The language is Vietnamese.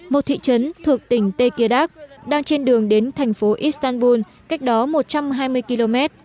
một thị trấn thuộc tỉnh tekirdak đang trên đường đến thành phố istanbul cách đó một trăm hai mươi km